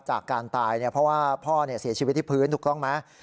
จากการตายเพราะว่าพ่อเสียชีวิตที่พื้นถูกต้องไหม